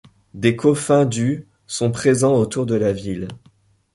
Des kofuns du sont présents autour de la ville.